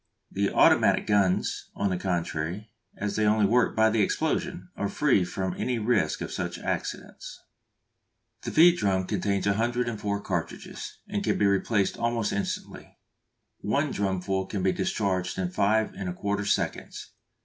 The automatic guns, on the contrary, as they only work by the explosion, are free from any risk of such accidents. The feed drums contain 104 cartridges, and can be replaced almost instantly. One drumful can be discharged in 5 1/4 seconds.